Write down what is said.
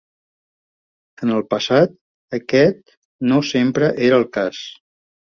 En el passat, aquest no sempre era el cas.